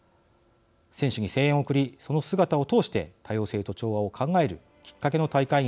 選手に声援を送りその姿を通して多様性と調和を考えるきっかけの大会に